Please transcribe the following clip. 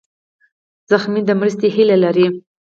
ټپي د مرستې هیله لري.